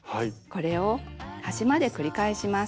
これを端まで繰り返します。